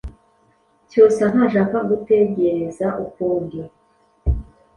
Cyusa ntashaka gutegereza ukundi.